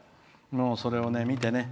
それを見てね